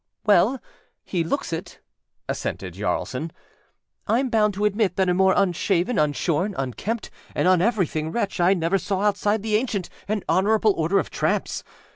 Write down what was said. âWell, he looks it,â assented Jaralson. âIâm bound to admit that a more unshaven, unshorn, unkempt, and uneverything wretch I never saw outside the ancient and honorable order of tramps.